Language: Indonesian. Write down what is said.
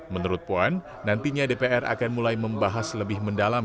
menurut puan nantinya dpr akan mulai membahas lebih mendalam